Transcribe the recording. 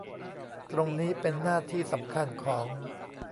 ตรงนี้เป็นหน้าที่สำคัญของ